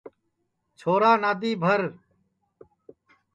چھورا نادی بھر